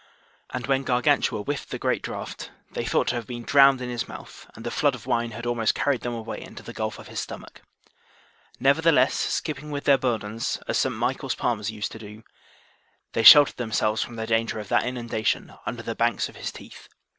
And when Gargantua whiffed the great draught, they thought to have been drowned in his mouth, and the flood of wine had almost carried them away into the gulf of his stomach. Nevertheless, skipping with their bourdons, as St. Michael's palmers use to do, they sheltered themselves from the danger of that inundation under the banks of his teeth.